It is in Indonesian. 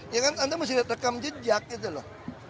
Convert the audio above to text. ya kan anda masih lihat rekam jejak gitu loh